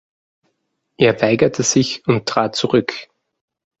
Er weigerte sich und trat zurück.